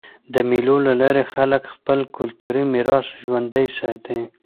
د مېلو له لاري خلک خپل کلتوري میراث ژوندى ساتي.